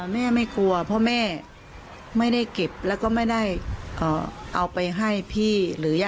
ส่วนนางไพมะนี่สาปุ่ม